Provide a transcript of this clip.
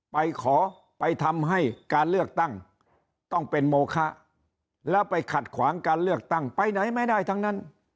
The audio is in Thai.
ไปขอไปทำให้การเลือกตั้งต้องเป็นโมคะแล้วไปขัดขวางการเลือกตั้งไปไหนไม่ได้ทั้งนั้น